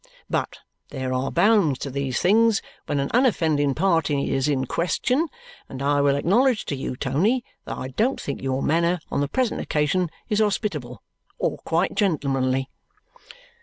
But there are bounds to these things when an unoffending party is in question, and I will acknowledge to you, Tony, that I don't think your manner on the present occasion is hospitable or quite gentlemanly."